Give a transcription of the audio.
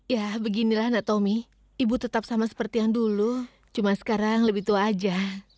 ya beginilah nak tommy ibu tetap sama seperti yang dulu cuma sekarang lebih tua aja